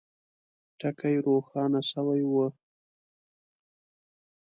ټکي روښانه سوي وه.